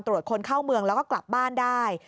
คนเข้าเมืองแล้วก็กลับบ้านได้